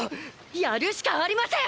やるしかありません！！